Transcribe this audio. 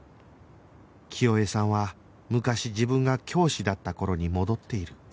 清江さんは昔自分が教師だった頃に戻っている